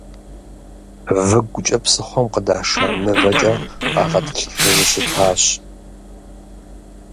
Выгукӏэ псыхъуэм къыдаша мывэкӏэ къагъэтӏылъыхьыжу щытащ.